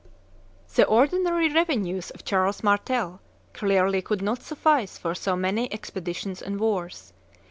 The ordinary revenues of Charles Martel clearly could not suffice for so many expeditions and wars.